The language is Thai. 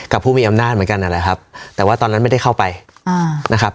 ผู้มีอำนาจเหมือนกันนั่นแหละครับแต่ว่าตอนนั้นไม่ได้เข้าไปอ่านะครับ